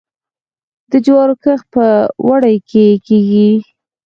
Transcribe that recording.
د جوارو کښت په اوړي کې کیږي.